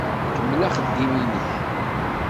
Kemmel axeddim-nnek.